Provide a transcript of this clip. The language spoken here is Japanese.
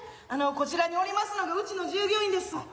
あのこちらにおりますのがうちの従業員です。